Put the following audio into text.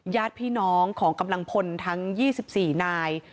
ญาติพี่น้องของกำลังพลทั้ง๒๔นาย